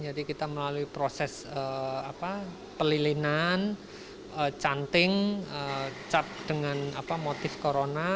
jadi kita melalui proses pelilinan canting cap dengan motif corona